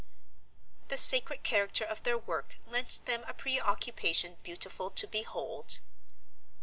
The sacred character of their work lent them a preoccupation beautiful to behold.